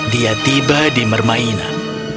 dia tiba di mermainan